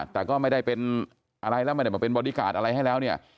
แต่ก็ไม่ได้เป็นอะไรแล้วไม่ได้มาเป็นบอดี้การ์ดอะไรให้แล้วเนี่ย